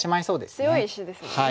これ強い石ですもんね。